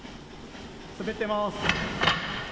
滑ってます。